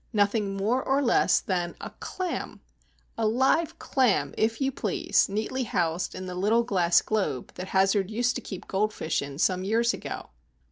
Nothing more nor less than a clam! a live clam, if you please, neatly housed in the little glass globe that Hazard used to keep gold fish in some years ago.